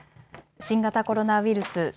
新型コロナウイルス。